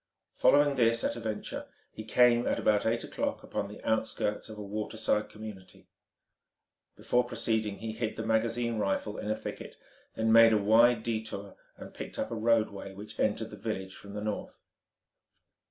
Following this at a venture, he came, at about eight o'clock, upon the outskirts of a waterside community. Before proceeding he hid the magazine rifle in a thicket, then made a wide detour, and picked up a roadway which entered the village from the north.